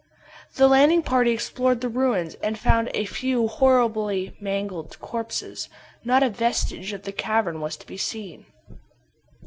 The landing parties explored the ruins, and found a few horribly mangled corpses. Not a vestige of the cavern was to be seen.